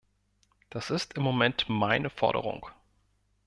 Das ist im Moment meine Forderung.